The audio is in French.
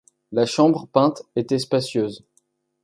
La chambre peinte était spacieuse.